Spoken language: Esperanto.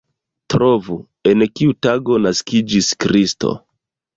Trovu, en kiu tago naskiĝis Kristo?